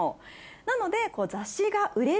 なので。